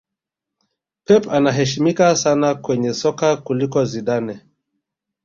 Pep anaheshimika sana kwenye soka kuliko Zidane